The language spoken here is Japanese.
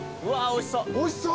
おいしそう。